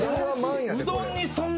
うどんにそんな。